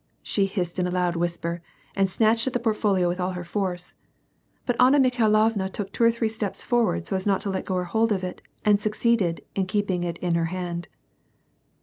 " she hissed in a loud whisper, and snatched at the portfolio with all her force ; but Anna Mikhailovua took two or three steps forward so as not to let go her hold of it, and succeeded in keeping it in her hand.